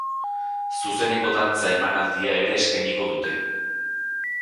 Zuzeneko dantza-emanaldia ere eskainiko dute.